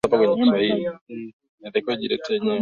kuokoa watu Yesu na wanafunzi wake wa kwanza walikuwa Wayahudi